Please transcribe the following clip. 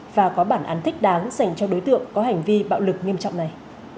và có bản án thích đáng dành cho đối tượng có hành vi bạo lực nghiêm trọng này